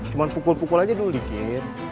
cuma pukul pukul aja dulu dikit